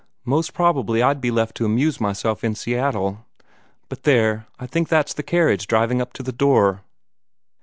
"Most probably I'd be left to amuse myself in Seattle. But there I think that's the carriage driving up to the door."